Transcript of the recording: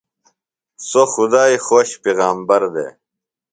سوۡ خدائی خوۡش پیغمبر دےۡ۔